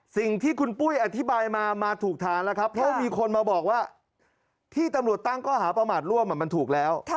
สิ่งที่คุณปุ้ยอธิบายมามาถูกทางแล้วครับเพราะมีคนมาบอกว่าที่ตำรวจตั้งข้อหาประมาทร่วมมันถูกแล้ว